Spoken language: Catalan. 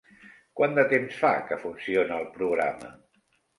Quant de temps fa que funciona el programa?